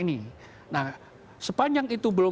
nah sepanjang itu belum